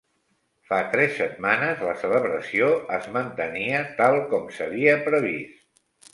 Fa tres setmanes, la celebració es mantenia tal com s'havia previst.